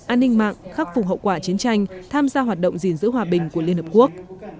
an ninh mạng khắc phục hậu quả chiến tranh tham gia hoạt động gìn giữ hòa bình của liên hợp quốc